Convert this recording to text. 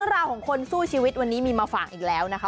ราวของคนสู้ชีวิตวันนี้มีมาฝากอีกแล้วนะคะ